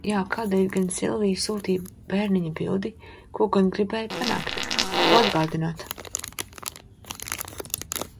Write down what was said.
Jā, kādēļ gan Silvija sūtīja bērniņa bildīti, ko gan gribēja panākt, ko atgādināt?